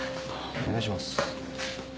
お願いします。